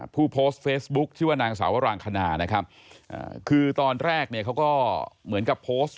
ผู้โพสต์เฟซบุ๊กชื่อนางสาวรางคณาคือตอนแรกเขาก็เหมือนกับโพสต์